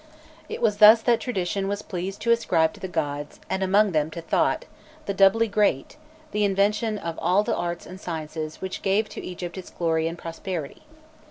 It was thus that tradition was pleased to ascribe to the gods, and among them to Thot the doubly great the invention of all the arts and sciences which gave to Egypt its glory and prosperity.